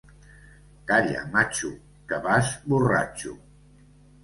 Calla matxo, que vas borratxo.